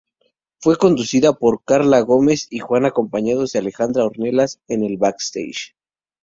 Fue conducida por Karla Gómez y Jan acompañados de Alejandra Ornelas en el backstage.